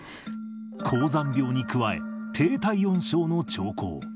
高山病に加え、低体温症の兆候。